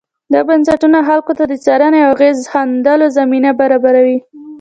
دا بنسټونه خلکو ته د څارنې او اغېز ښندلو زمینه برابروي.